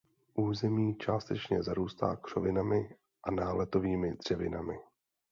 Území částečně zarůstá křovinami a náletovými dřevinami.